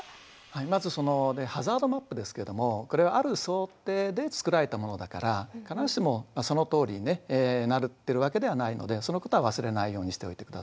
まずそのハザードマップですけどもこれはある想定で作られたものだから必ずしもそのとおりにねなるってわけではないのでそのことは忘れないようにしておいてください。